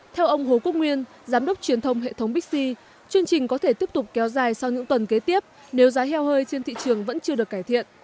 theo ông hồ quốc nguyên giám đốc truyền thông hệ thống bixi chương trình có thể tiếp tục kéo dài sau những tuần kế tiếp nếu giá heo hơi trên thị trường vẫn chưa được cải thiện